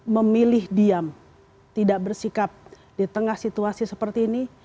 memilih diam tidak bersikap di tengah situasi seperti ini